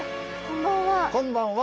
こんばんは。